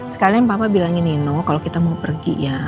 sekalian papa bilangin nino kalau kita mau pergi ya